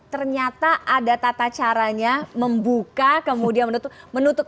ternyata ada tata caranya membuka kemudian menutup